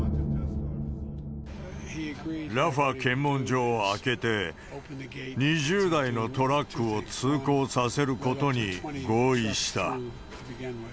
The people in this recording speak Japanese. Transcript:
ラファ検問所を開けて、２０台のトラックを通行させることに合意した。